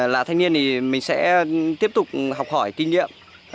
là thanh niên thì mình sẽ tiếp tục học hỏi kinh nghiệm